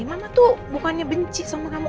gimana tuh bukannya benci sama kamu